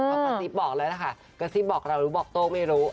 เอาประสิทธิ์บอกเลยนะคะกระสิทธิ์บอกเราหรือบอกโต๊ะไม่รู้